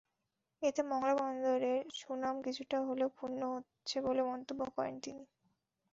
এতে মংলা বন্দরের সুনাম কিছুটা হলেও ক্ষুণ্ন হচ্ছে বলে মন্তব্য করেন তিনি।